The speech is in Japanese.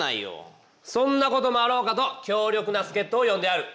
そんなこともあろうかと強力な助っとを呼んである。